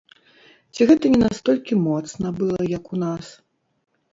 Ці гэта не настолькі моцна была, як у нас?